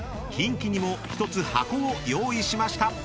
［キンキにも１つ箱を用意しました］